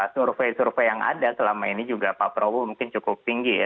survei survei yang ada selama ini juga pak prabowo mungkin cukup tinggi ya